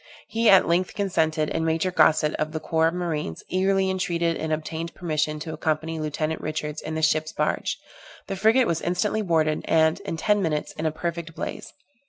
He at length consented, and Major Gossett, of the corps of marines, eagerly entreated and obtained permission to accompany Lieutenant Richards in the ship's barge. The frigate was instantly boarded, and, in ten minutes, in a perfect blaze.